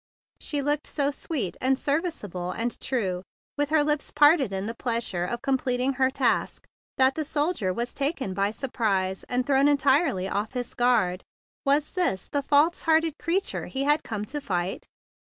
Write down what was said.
She looked so sweet and serviceable and true, with her lips parted in the pleasure of the final completion of her task, that the soldier was taken by surprise and thrown entirely off his guard. Was this the false hearted creature he had come to fight?